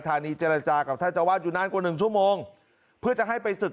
เจรจากับท่านเจ้าวาดอยู่นานกว่าหนึ่งชั่วโมงเพื่อจะให้ไปศึก